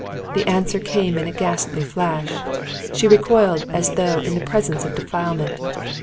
The answer came in a ghastly flash. She recoiled as though in the presence of defilement.